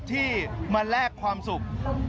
ที่มาแลกความสุข